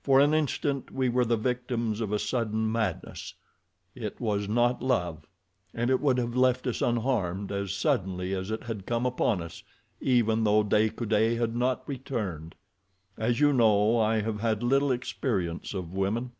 For an instant we were the victims of a sudden madness—it was not love—and it would have left us, unharmed, as suddenly as it had come upon us even though De Coude had not returned. As you know, I have had little experience of women.